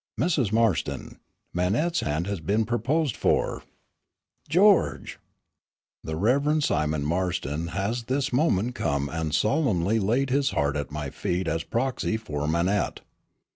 "Mrs. Marston, Manette's hand has been proposed for." "George!" "The Rev. Simon Marston has this moment come and solemnly laid his heart at my feet as proxy for Manette."